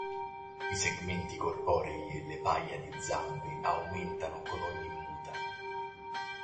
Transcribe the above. I segmenti corporei e le paia di zampe aumentano con ogni muta.